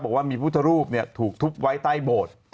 บอกว่ามีพุทธรูปถูกทุบไว้ใต้โบสถ์